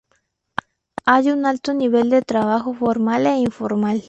Hay un alto nivel de trabajo formal e informal.